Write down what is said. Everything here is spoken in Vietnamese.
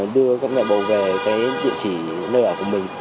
đưa mẹ bầu về địa chỉ nơi ở của mình